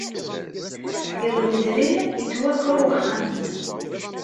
Iḍ yezrin, yettwaker wexxam-nnem.